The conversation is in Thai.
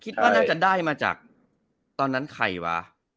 คิดว่าน่าจะได้มาจากตอนนั้นใครวะ